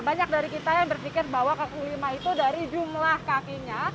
banyak dari kita yang berpikir bahwa kaki lima itu dari jumlah kakinya